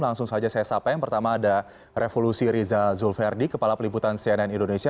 langsung saja saya sapa yang pertama ada revolusi riza zulverdi kepala peliputan cnn indonesia